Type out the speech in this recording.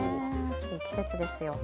いい季節ですよ。